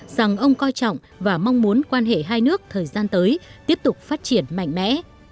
và mong muốn quan hệ hai nước thời gian tới tiếp tục phát triển mạnh mẽ